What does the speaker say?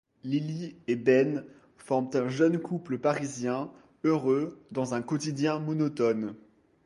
Lily et Ben forment un jeune couple parisien, heureux dans un quotidien monotone.